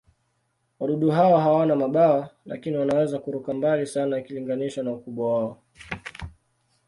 Wadudu hao hawana mabawa, lakini wanaweza kuruka mbali sana ikilinganishwa na ukubwa wao.